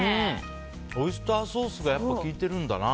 オイスターソースが効いてるんだな。